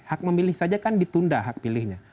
hak memilih saja kan ditunda hak pilihnya